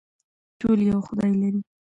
ټول یو خدای لري